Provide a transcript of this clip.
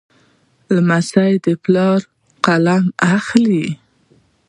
لمسی د پلار قلم اخلي.